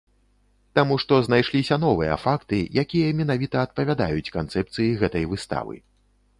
Таму што знайшліся новыя факты, якія менавіта адпавядаюць канцэпцыі гэтай выставы.